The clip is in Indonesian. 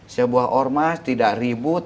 sebuah ormas tidak ribut